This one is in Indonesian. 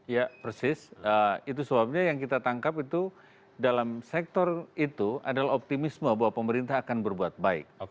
ya persis itu sebabnya yang kita tangkap itu dalam sektor itu adalah optimisme bahwa pemerintah akan berbuat baik